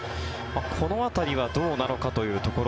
この辺りはどうなのかというところ。